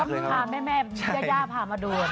ก็มึงพาแม่แย่พามาดู